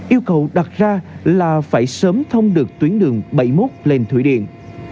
yêu cầu đặt ra là phải sớm thông được tuyến đường bảy mươi một lên thủy điện